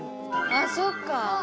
あっそっか。